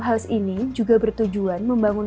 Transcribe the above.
house ini juga bertujuan membangun